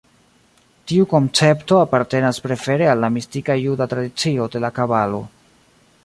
Tiu koncepto apartenas prefere al la mistika juda tradicio de la Kabalo.